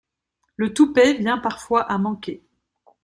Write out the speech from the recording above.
Le toupet vient parfois à manquer.